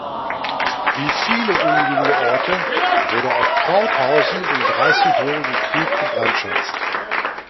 Wie viele umliegende Orte wurde auch Krauthausen im Dreißigjährigen Krieg gebrandschatzt.